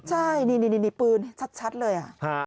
ใช่นี่ปืนชัดเลย